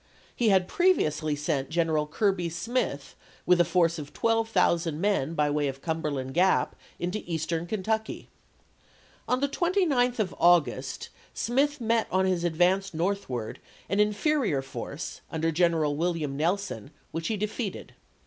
He had previously sent General Kirby Smith with a force of 12,000 men by way of Cumberland Gap into Eastern Kentucky. On the 29th of August Smith met on his advance northward an inferior force, under General William Nelson, which he de feated.